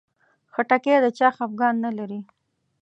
خټکی د چا خفګان نه لري.